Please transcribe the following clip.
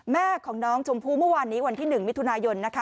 แม่ของน้องชมพู่เมื่อวานนี้วันที่๑มิถุนายนนะคะ